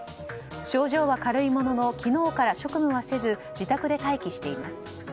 症状は軽いものの昨日から職務はせず自宅で待機しています。